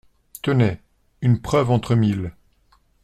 Tenez, une preuve entre mille.